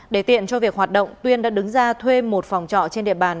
để tiện cho việc hoạt động tuyên đã đứng ra thuê một phòng trọ trên địa bàn